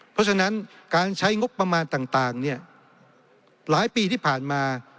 เพราะฉะนั้นการใช้งบประมาณต่างหลายปีที่ผ่านมา